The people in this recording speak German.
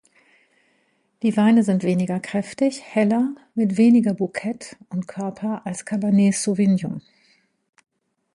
Die Weine sind weniger kräftig, heller, mit weniger Bukett und Körper als Cabernet Sauvignon.